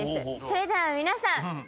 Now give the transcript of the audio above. それでは皆さん。